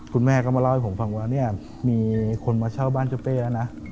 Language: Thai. คุณแม่ก็มาเล่าให้ผมฟังว่าเนี่ยมีคนมาเช่าบ้านเจ้าเป้แล้วนะ